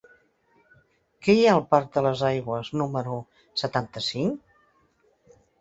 Què hi ha al parc de les Aigües número setanta-cinc?